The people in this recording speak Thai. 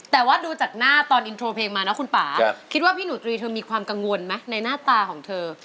แต่ว่าดูจากหน้าตอนอินโทรเพลงมานะคุณป่าคิดว่าพี่หนูตรีเธอมีความกังวลไหมในหน้าตาของเธอ